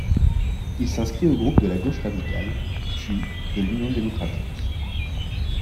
Il s'inscrit au groupe de la Gauche radicale, puis de l'Union démocratique.